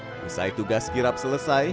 setelah tugas kirap selesai